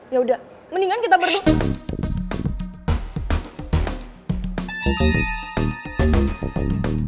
yaudah mendingan kita berdua